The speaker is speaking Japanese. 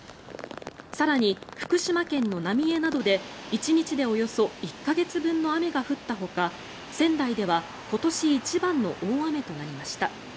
更に福島県の浪江などで１日でおよそ１か月分の雨が降ったほか仙台では今年一番の大雨となりました。